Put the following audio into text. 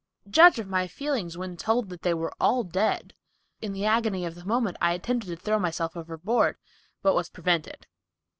Judge of my feelings when told that they were all dead. In the agony of the moment, I attempted to throw myself overboard, but was prevented.